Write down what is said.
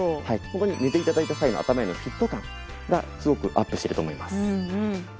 ここに寝て頂いた際の頭へのフィット感がすごくアップしてると思います。